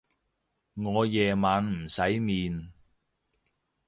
我夜晚唔使面